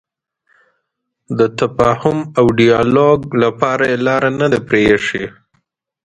د تفاهم او ډیالوګ لپاره یې لاره نه ده پرېښې.